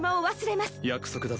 約束だぞ。